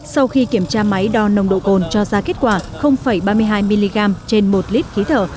sau khi kiểm tra máy đo nồng độ cồn cho ra kết quả ba mươi hai mg trên một lít khí thở